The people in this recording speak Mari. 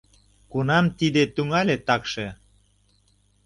— Кунам тиде тӱҥале такше?..